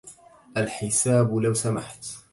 الحساب لو سمحت.